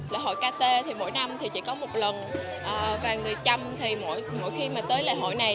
lễ hội cà tê thì mỗi năm thì chỉ có một lần và người tràm thì mỗi khi mà tới lễ hội này